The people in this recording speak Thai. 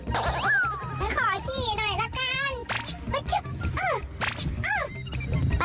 ขอชี้หน่อยละกัน